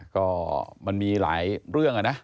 ก็มันมีหลายเรื่องนะ